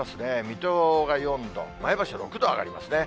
水戸が４度、前橋は６度上がりますね。